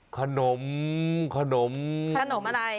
ขนมขนมขนมอะไร